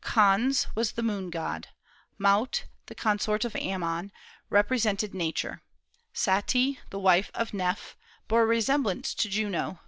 Khons was the moon god. Maut, the consort of Ammon, represented Nature. Sati, the wife of Kneph, bore a resemblance to Juno.